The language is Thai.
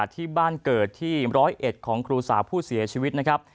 ที่บ้านเกิดที่๑๐๑ของครูสาวผู้เสียชีวิตนะครับ